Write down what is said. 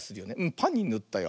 パンにぬったよ。